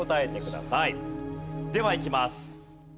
ではいきます。